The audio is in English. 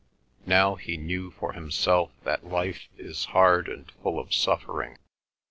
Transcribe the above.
Now he knew for himself that life is hard and full of suffering.